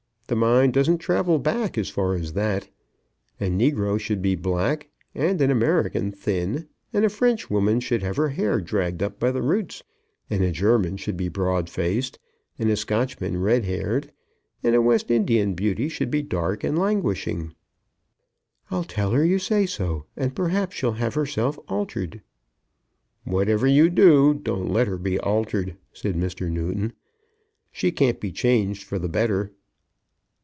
The mind doesn't travel back as far as that. A negro should be black, and an American thin, and a French woman should have her hair dragged up by the roots, and a German should be broad faced, and a Scotchman red haired, and a West Indian beauty should be dark and languishing." "I'll tell her you say so, and perhaps she'll have herself altered." "Whatever you do, don't let her be altered," said Mr. Newton. "She can't be changed for the better."